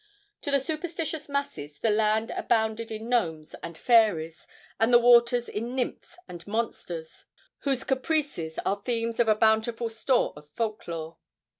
To the superstitious masses the land abounded in gnomes and fairies, and the waters in nymphs and monsters, whose caprices are themes of a bountiful store of folk lore.